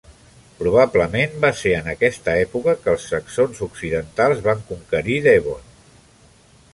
Probablement va ser en aquesta època que els saxons occidentals van conquerir Devon.